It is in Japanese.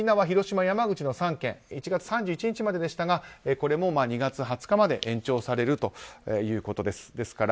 広島、山口の３県は１月３１日まででしたが２月２０日まで延長されるということです。